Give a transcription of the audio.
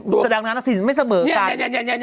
แต่ดังนั้นสิ่งมันไม่เสมอกัน